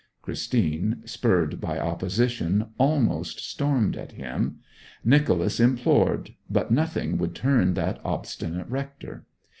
"' Christine, spurred by opposition, almost stormed at him. Nicholas implored; but nothing would turn that obstinate rector.